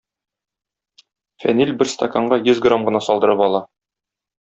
Фәнил бер стаканга йөз грамм гына салдырып ала.